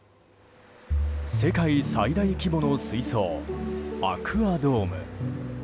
世界最大規模の水槽アクアドーム。